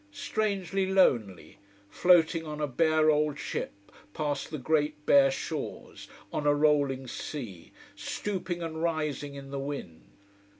Strangely lonely, floating on a bare old ship past the great bare shores, on a rolling sea, stooping and rising in the wind.